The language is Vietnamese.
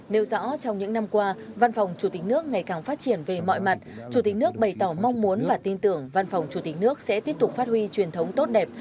nêu rõ trong những năm qua văn phòng chủ tịch nước ngày càng phát triển về mọi mặt chủ tịch nước bày tỏ mong muốn và tin tưởng văn phòng chủ tịch nước sẽ tiếp tục phát huy truyền thống tốt đẹp